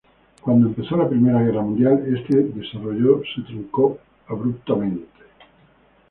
Cuando empezó la primera Guerra mundial este desarrollo se truncó abruptamente.